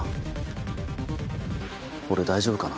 俺大丈夫かな？